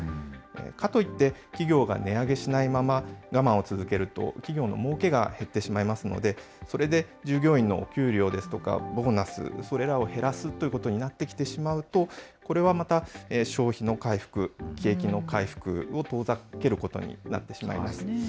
かといって、企業が値上げしないまま我慢を続けると、企業のもうけが減ってしまいますので、それで従業員のお給料ですとか、ボーナス、それらを減らすということになってきてしまうと、これはまた消費の回復、景気の回復を遠ざけることになってしまいます。